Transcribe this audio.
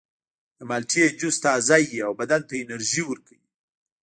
د مالټې جوس تازه وي او بدن ته انرژي ورکوي.